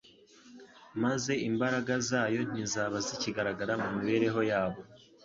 maze imbaraga zayo ntizaba zikigaragara mu mibereho yabo.